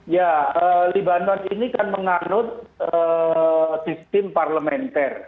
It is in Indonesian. ya libanon ini kan menganut sistem parlementer